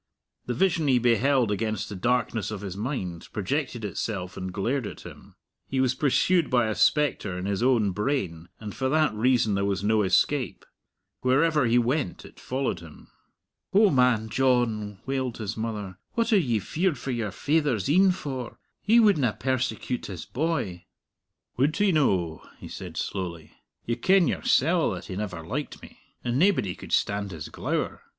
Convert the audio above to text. The vision he beheld against the darkness of his mind projected itself and glared at him. He was pursued by a spectre in his own brain, and for that reason there was no escape. Wherever he went it followed him. "O man John," wailed his mother, "what are ye feared for your faither's een for? He wouldna persecute his boy." "Would he no?" he said slowly. "You ken yoursell that he never liked me! And naebody could stand his glower.